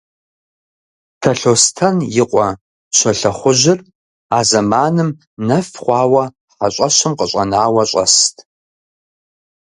Талъостэн и къуэ Щолэхъужьыр а зэманым нэф хъуауэ хьэщӀэщым къыщӀэнауэ щӀэст.